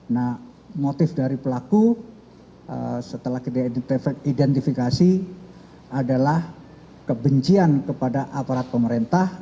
nah motif dari pelaku setelah identifikasi adalah kebencian kepada aparat pemerintah